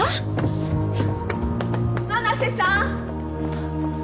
七瀬さん！